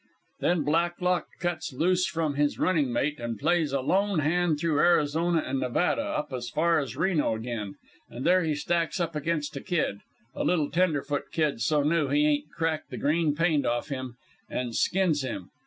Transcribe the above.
"Then Blacklock cuts loose from his running mate, and plays a lone hand through Arizona and Nevada, up as far as Reno again, and there he stacks up against a kid a little tenderfoot kid so new he ain't cracked the green paint off him and skins him.